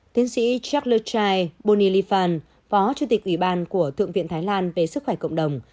tiến sĩ charlechai bonilifan phó chủ tịch ủy ban của thượng viện thái lan về sức khỏe cộng đồng